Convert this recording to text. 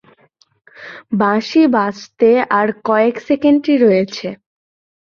বাঁশি বাজতে আর কয়েক সেকেন্ডই রয়েছে।